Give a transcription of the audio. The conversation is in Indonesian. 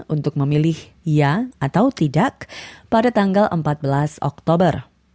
untuk memilih iya atau tidak pada tanggal empat belas oktober